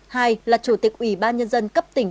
hai là chủ tịch ủy ban nhân dân cấp tỉnh